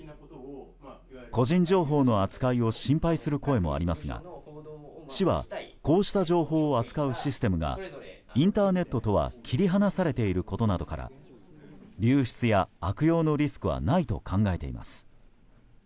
個人情報の扱いを心配する声もありますが市は、こうした情報を扱うシステムがインターネットとは切り離されていることなどから流出や悪用のリスクはないと考えています。